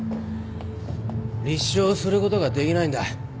立証することができないんだ。